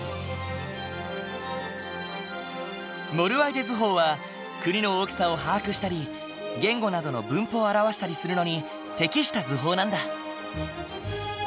モルワイデ図法は国の大きさを把握したり言語などの分布を表したりするのに適した図法なんだ。